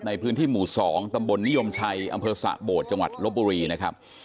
ในพื้นที่หมู่๒ตำบลนิยมชัยอำเภอสะโบดจังหวัดลบบุรีนะครับ